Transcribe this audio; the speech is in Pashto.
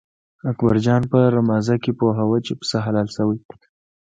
اکبر جان په رمازه کې پوهوه چې پسه حلال شوی.